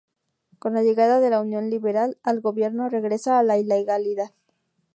Con la llegada de la Unión Liberal al gobierno, regresa a la ilegalidad.